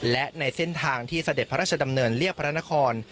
และในเส้นทางที่เสด็จพระราชดำเนินเรียบพระนคร